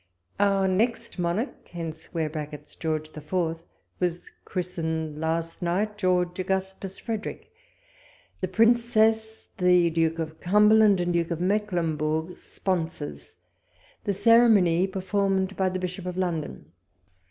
Our next monarch [George IV.]was christened last night, George Augustus Frederick ; the Princess, the Duke of Cumberland, and Duke of Mecklenburgii, sponsors ; the ceremony per formed by the Bishop of London.